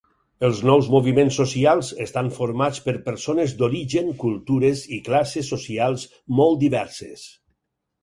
Els nous moviments socials estan formats per persones d'origen, cultures i classes socials molt diverses.